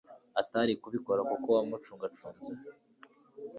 atari ukubikora kuko wamucungacunze.